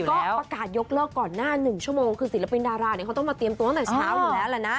ก็ประกาศยกเลิกก่อนหน้า๑ชั่วโมงคือศิลปินดาราเนี่ยเขาต้องมาเตรียมตัวตั้งแต่เช้าอยู่แล้วแหละนะ